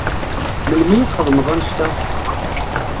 Melmi i txedmeḍ annect-a?